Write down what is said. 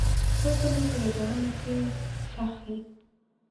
تاسو مې په یادونو کې ښخ یئ.